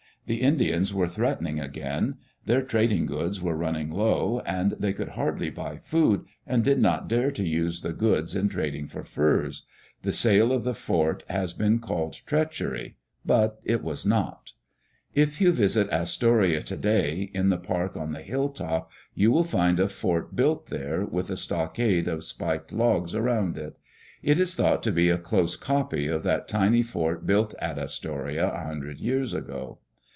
The Indians were threatening again; their trading goods were running low, and they could hardly buy food, and did not dare to use the goods in trading for furs. The sale of the fort has been called treachery, but it was not. If you visit Astoria today, in the park on the hilltop you will find a fort built there, with a stockade of spiked logs around it. It is thought to be a close copy of that tiny fort built at Astoria a hundred years ago.